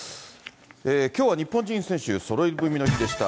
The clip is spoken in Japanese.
きょうは日本人選手そろい踏みの日でした。